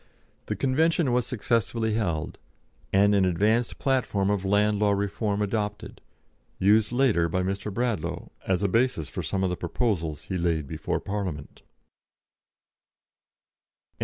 The Convention was successfully held, and an advanced platform of Land Law Reform adopted, used later by Mr. Bradlaugh as a basis for some of the proposals he laid before Parliament.